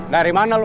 dari mana lu